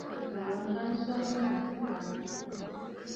A bɔŋ ka swɔŋ ànnù nɨkoŋǝ̀.